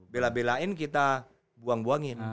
bela belain kita buang buangin